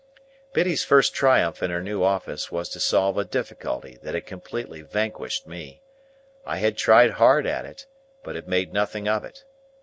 Biddy's first triumph in her new office, was to solve a difficulty that had completely vanquished me. I had tried hard at it, but had made nothing of it.